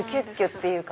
ていうか。